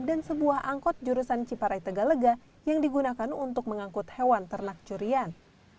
dan sebuah angkot jurusan ciparai tegalega yang digunakan untuk mengangkut hewan ternak curian